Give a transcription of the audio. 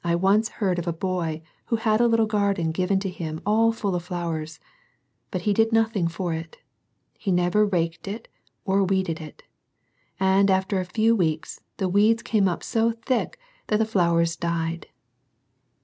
I once heard of a boy 'who had a little garden given to him all full of flowers. But he did nothing for it He never raked it or weeded it. And after a few weeks, the weeds came up so thick that the flowers died.